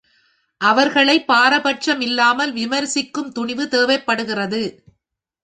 அவர்களைப் பாரபட்ச் மில்லாமல் விமரிசிக்கும் துணிவு தேவைப்படுகிறது.